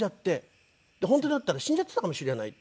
本当だったら死んじゃってたかもしれないって。